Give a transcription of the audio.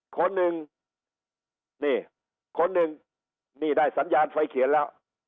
คนหนึ่งนี่คนหนึ่งนี่ได้สัญญาณไฟเขียนแล้ว